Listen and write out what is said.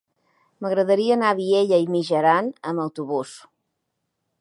M'agradaria anar a Vielha e Mijaran amb autobús.